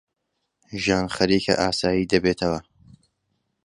ژیان خەریکە ئاسایی دەبێتەوە.